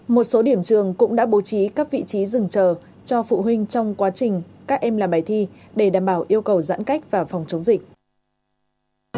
một số điểm trường cũng đã bố trí các vị trí rừng chờ cho phụ huynh trong quá trình các em làm bài thi để đảm bảo yêu cầu giãn cách và phòng chống dịch